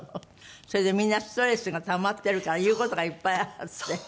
それでみんなストレスがたまってるから言う事がいっぱいあって。